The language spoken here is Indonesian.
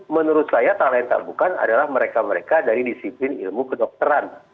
menurut saya tak lain tak bukan adalah mereka mereka dari disiplin ilmu kedokteran